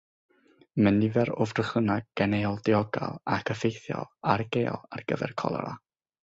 Mae nifer o frechlynnau geneuol diogel ac effeithiol ar gael ar gyfer colera.